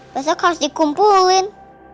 besok harus dikumpulin